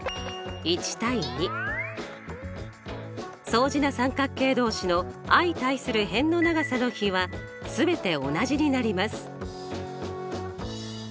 相似な三角形同士の相対する辺の長さの比は全て同じになります。